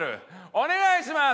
お願いします！